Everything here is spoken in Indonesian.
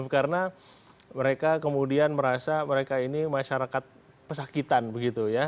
karena mereka kemudian merasa mereka ini masyarakat pesakitan begitu ya